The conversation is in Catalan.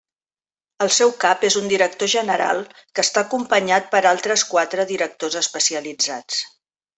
El seu cap és un Director General que està acompanyat per altres quatre directors especialitzats.